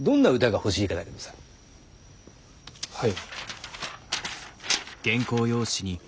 はい。